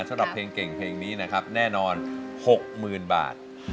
สำหรับเพลงเก่งเพลงนี้นะครับแน่นอน๖๐๐๐บาท